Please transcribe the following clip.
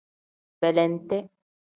Belente.